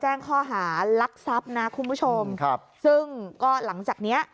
แจ้งข้อหารักทรัพย์นะคุณผู้ชมครับซึ่งก็หลังจากเนี้ย